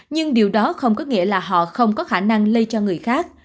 nhưng điều đó không có nghĩa là họ không có khả năng lây cho người khác